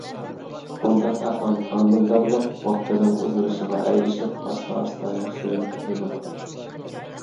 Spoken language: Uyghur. بۇنداق ئەھۋال ھامىلىدارلىق ۋاقتىنىڭ ئۇزىرىشىغا ئەگىشىپ ئاستا-ئاستا ياخشىلىنىپ كېتىدۇ.